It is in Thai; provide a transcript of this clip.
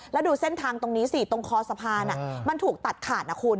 แล้วดูเส้นทางตรงนี้สิตรงคอสะพานมันถูกตัดขาดนะคุณ